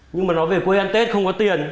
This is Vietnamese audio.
nhưng mà nó về quê ăn tết không có tiền